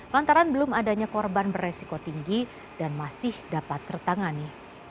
lantaran belum adanya korban beresiko tinggi dan masih dapat tertangani